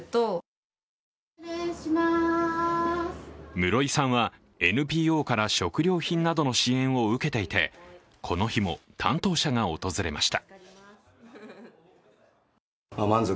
室井さんはＮＰＯから食料品などの支援を受けていてこの日も担当者が訪れました。